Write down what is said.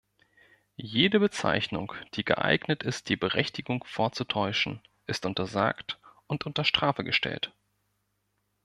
Jede Bezeichnung, die geeignet ist, die Berechtigung vorzutäuschen, ist untersagt und unter Strafe gestellt.